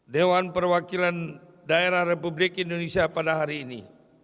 dewan perwakilan daerah republik indonesia pada hari ini